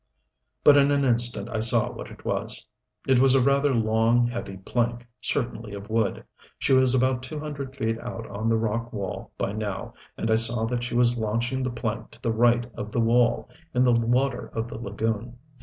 But in an instant I saw what it was. It was a rather long, heavy plank, certainly of wood. She was about two hundred feet out on the rock wall by now, and I saw that she was launching the plank to the right of the wall, in the water of the lagoon.